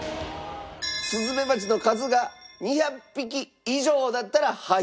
スズメバチの数が２００匹以上だったらハイ。